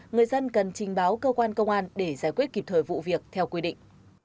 người dân cần trình báo cơ quan công an để giải quyết kịp thời vụ việc theo quy định